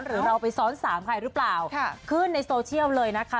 หรือเราไปซ้อนสามใครหรือเปล่าขึ้นในโซเชียลเลยนะคะ